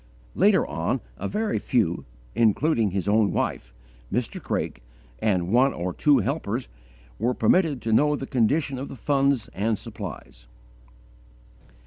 Later on, a very few, including his own wife, Mr. Craik, and one or two helpers, were permitted to know the condition of the funds and supplies.